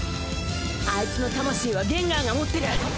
アイツの魂はゲンガーが持ってる。